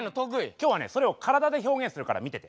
今日はねそれを体で表現するから見てて。